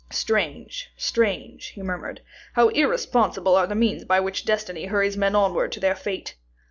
"Strange, strange!" he murmured. "How irresponsible are the means by which destiny hurries men onward to their fate!"